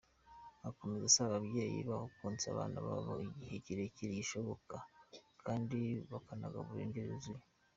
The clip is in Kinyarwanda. Akomeza asaba ababyeyi baho konsa abana babo igihe kirekire gishoboka, kandi bakabagaburira indyo yuzuye.